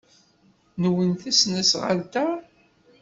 Nwen tesnasɣalt-a?